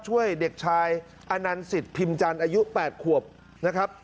ช่วยเด็กชายอนันสิตพิมพ์จันทร์อายุ๘ขวบนะครับ